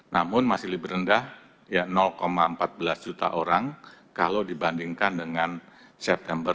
namun masih lebih rendah empat belas juta orang kalau dibandingkan dengan september dua ribu dua puluh satu